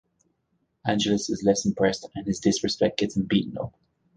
Angelus is less impressed, and his disrespect gets him beaten up.